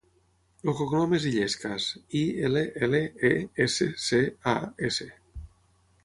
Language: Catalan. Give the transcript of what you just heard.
El cognom és Illescas: i, ela, ela, e, essa, ce, a, essa.